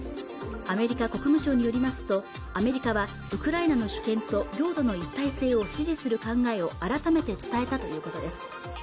アメリカ国務省によりますとアメリカはウクライナの主権と領土の一体性を支持する考えを改めて伝えたということです